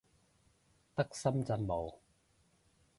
得深圳冇